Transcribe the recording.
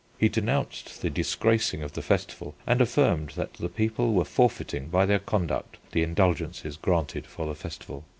He denounced the disgracing of the festival and affirmed that the people were forfeiting by their conduct the indulgences granted for the festival.